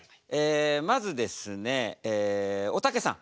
まずですねおたけさん。